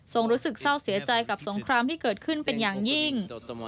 รู้สึกเศร้าเสียใจกับสงครามที่เกิดขึ้นเป็นอย่างยิ่ง